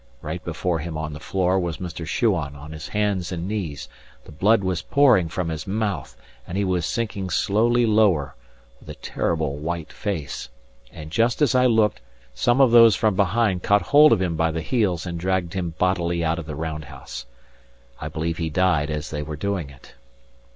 Right before him on the floor was Mr. Shuan, on his hands and knees; the blood was pouring from his mouth, and he was sinking slowly lower, with a terrible, white face; and just as I looked, some of those from behind caught hold of him by the heels and dragged him bodily out of the round house. I believe he died as they were doing it.